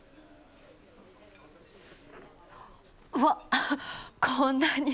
うわこんなに！